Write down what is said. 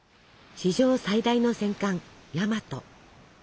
史上最大の戦艦「大和」。